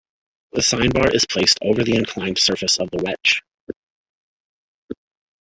The sine bar is placed over the inclined surface of the wedge.